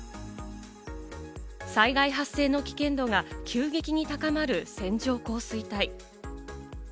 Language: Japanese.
災害発生の危険度が急激に高まる線状降水帯。